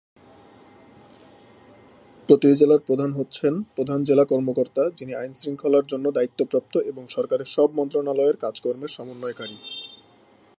প্রতিটি জেলার প্রধান হচ্ছেন "প্রধান জেলা কর্মকর্তা" যিনি আইন শৃঙ্খলার জন্য দায়িত্বপ্রাপ্ত এবং সরকারের সব মন্ত্রণালয়ের কাজকর্মের সমন্বয়কারী।